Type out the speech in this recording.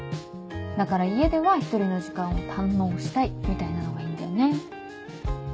だから家では１人の時間を堪能したいみたいなのがいいんだよね。